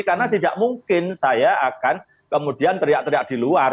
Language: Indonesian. karena tidak mungkin saya akan kemudian teriak teriak di luar